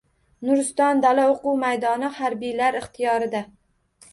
“Nuriston” dala-o‘quv maydoni harbiylar ixtiyorida